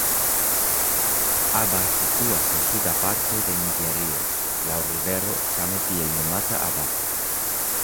Aba situas en suda parto de Niĝerio laŭ rivero same tiel nomata Aba.